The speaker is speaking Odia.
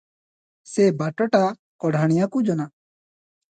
ସେ ବାଟଟା କଢାଣିଆକୁ ଜଣା ।